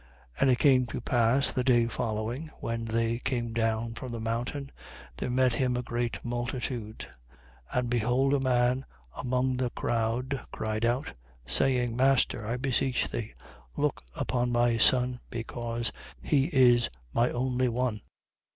9:37. And it came to pass the day following, when they came down from the mountain, there met him a great multitude. 9:38. And behold a man among the crowd cried out, saying: Master, I beseech thee, look upon my son, because he is my only one.